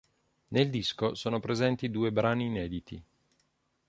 Nel disco sono presenti due brani inediti.